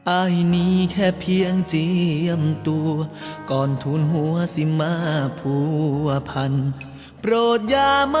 ไอ้นี้แค่เพียงเกียมตัวก่อนทุนภัวเข้ามาภัวพันธุ์ใช่ปะ